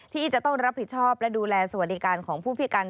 ที่จะต้องรับผิดชอบและดูแลสวัสดิการของผู้พิการ